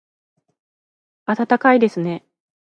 暖かいですね